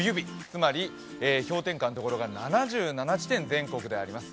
つまり氷点下のところが７７地点全国であります。